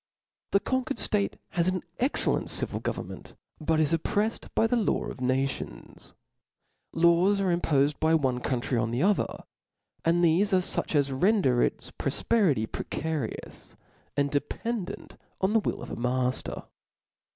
The conquered ftate has an excellent civil govcm menty but is opprefied by the law of nations ; laws are impofed by one country on the other, and thefe are fuch as render its prbfperity precarious, and dependent on the will of a mafter.